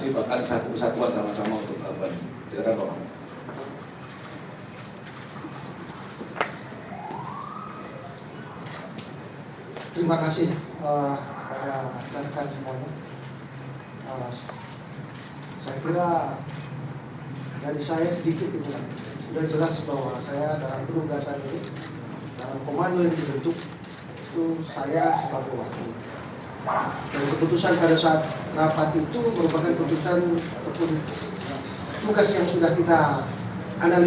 dan kita sudah berhasil bahkan bersatu bersatuan sama sama untuk melakukan